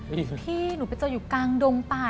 พี่ที่นายเป็นเจ้าอยู่กลังดงปลา